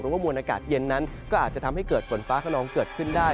ว่ามวลอากาศเย็นนั้นก็อาจจะทำให้เกิดฝนฟ้าขนองเกิดขึ้นได้